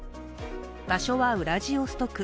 場所はウラジオストク。